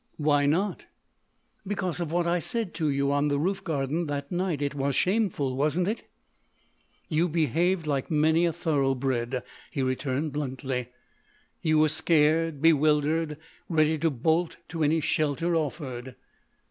"Why not?" "Because of what I said to you on the roof garden that night. It was shameful, wasn't it?" "You behaved like many a thoroughbred," he returned bluntly; "you were scared, bewildered, ready to bolt to any shelter offered."